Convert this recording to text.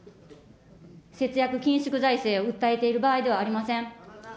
節約緊縮財政を訴えている場合ではありません。